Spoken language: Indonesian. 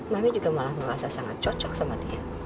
mami juga malah merasa sangat cocok sama dia